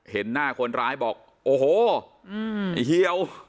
เห็นหน้าคนร้ายบอกโอ้โหไอ้เหี่ยว